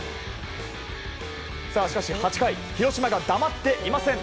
しかし８回広島が黙っていません。